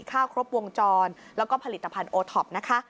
ข้าวครบวงจรแล้วก็ผลิตภัณฑ์โอท็อป